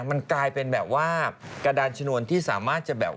มันกลายเป็นแบบว่า